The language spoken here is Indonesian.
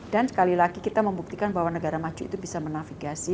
dan sekali lagi kita membuktikan bahwa negara maju itu bisa menafigasi